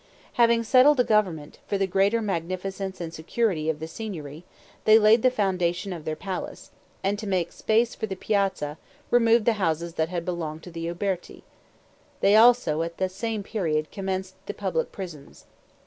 Having settled the government, for the greater magnificence and security of the Signory, they laid the foundation of their palace; and to make space for the piazza, removed the houses that had belonged to the Uberti; they also at the same period commenced the public prisons.